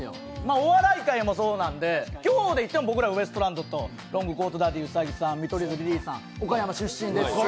お笑い界もそうなんで、今日でいっても僕らウエストランドとロングコートダディ、兎さん、見取り図・リリーさん、岡山出身です。